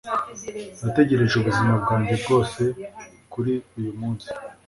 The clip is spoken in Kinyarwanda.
nategereje ubuzima bwanjye bwose kuri uyumunsi